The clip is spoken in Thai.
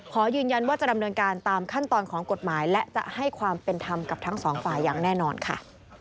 ขอยืนยันว่าจะดำเนินการตามขั้นตอนของกฎหมายและจะให้ความเป็นธรรมกับทั้งสองฝ่ายอย่างแน่นอนค่ะ